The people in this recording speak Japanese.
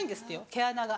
毛穴が。